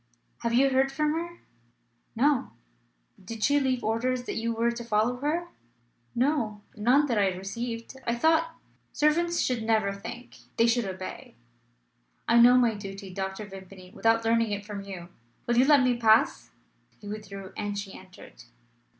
"Have you heard from her?" "No." "Did she leave orders that you were to follow her?" "No; none that I received. I thought " "Servants should never think. They should obey." "I know my duty, Dr. Vimpany, without learning it from you. Will you let me pass?" He withdrew, and she entered.